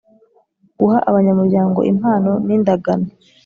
guha abanyamuryango impano n’ indagano